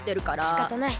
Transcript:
しかたない。